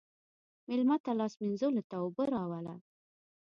مېلمه ته لاس مینځلو ته اوبه راوله.